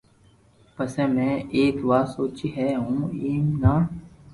پسي ۾ ايڪ وات سوچي ڪي ھون ايم نھ